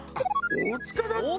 大塚だった？